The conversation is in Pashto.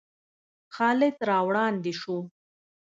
خالد را وړاندې شو.